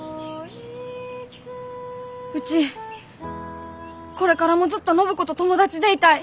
うちこれからもずっと暢子と友達でいたい。